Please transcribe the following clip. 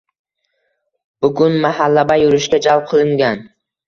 Bugun mahallabay yurishga jalb qilingan